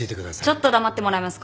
ちょっと黙ってもらえますか？